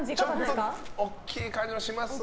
大きい感じはしますが。